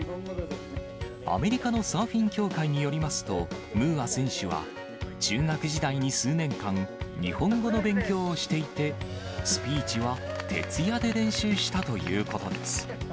アメリカのサーフィン協会によりますと、ムーア選手は中学時代に数年間、日本語の勉強をしていて、スピーチは徹夜で練習したということです。